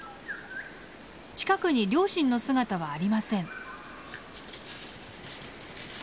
近くに両親の姿はありません。